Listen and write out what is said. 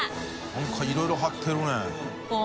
何かいろいろ貼ってるね。